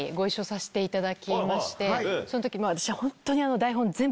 その時私は。